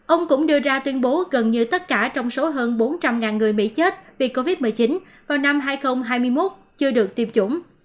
ông cũng đưa ra tuyên bố gần như tất cả trong số hơn bốn trăm linh người mỹ chết vì covid một mươi chín vào năm hai nghìn hai mươi một chưa được tiêm chủng